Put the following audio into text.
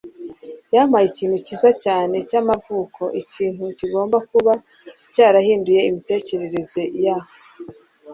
Yampaye ikintu cyiza cyane cyamavuko. Ikintu kigomba kuba cyarahinduye imitekerereze ya